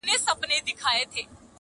جهاني زه هم لکه شمع سوځېدل مي زده دي٫